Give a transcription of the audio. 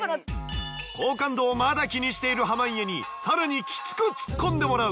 好感度をまだ気にしている濱家に更にきつくツッコンでもらう。